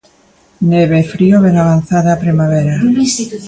Neve e frío ben avanzada a primavera.